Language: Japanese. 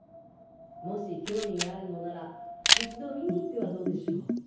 もし興味があるのなら一度観に行ってはどうでしょう？